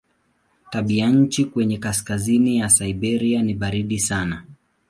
Tabianchi kwenye kaskazini ya Siberia ni baridi sana.